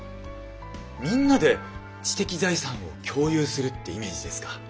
みんなで知的財産を共有するってイメージですか。